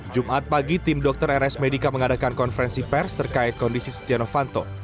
jumat pagi tim dokter rs medika mengadakan konferensi pers terkait kondisi setia novanto